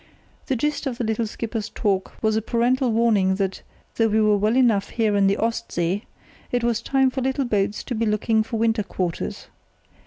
The gist of the little skipper's talk was a parental warning that, though we were well enough here in the "Ost See", it was time for little boats to be looking for winter quarters.